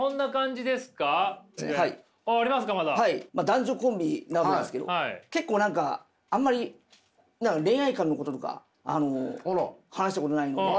男女コンビなわけですけど結構何かあんまり恋愛観のこととか話したことないので。